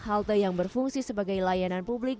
halte yang berfungsi sebagai layanan publik